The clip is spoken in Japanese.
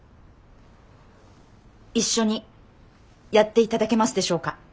一緒にやっていただけますでしょうか？